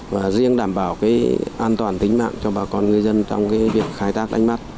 và riêng đảm bảo an toàn tính mạng cho bà con người dân trong việc khai tác đánh mắt